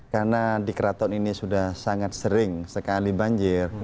karena di kraton ini sudah sangat sering sekali banjir